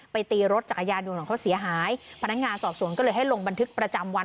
ตีรถจักรยานยนต์ของเขาเสียหายพนักงานสอบสวนก็เลยให้ลงบันทึกประจำวัน